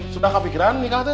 sudah kepikiran nih kata